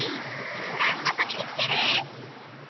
みんな遊びに来てね！